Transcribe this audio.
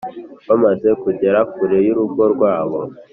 Bamaze kugera kure y urugo rwabo